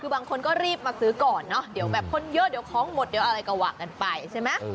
คือบางคนก็รีบมาซื้อก่อนเนอะเดี๋ยวแบบคนเยอะเดี๋ยวของหมดเดี๋ยวอะไรก็ว่ากันไปใช่ไหม